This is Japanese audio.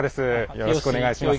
よろしくお願いします。